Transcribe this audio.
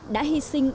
đã hy sinh